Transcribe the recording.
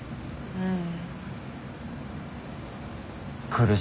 うん。